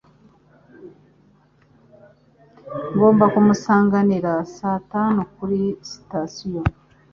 Ngomba kumusanganira saa tanu kuri sitasiyo.